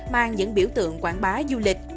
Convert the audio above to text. mang những biểu tượng quảng bá du lịch